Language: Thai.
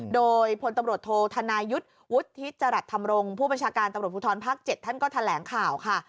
โดยพลตำรวจโทษธนายุทธ์วุฒิจรัสธรรมรงค์ผู้บัญชาการตำรวจภูทรภาค๗ท่านก็แถลงข่าวค่ะ